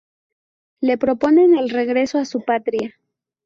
Le proponen el regreso a su patria.